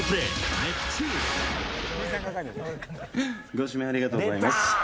「ご指名ありがとうございます。